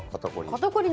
肩凝り。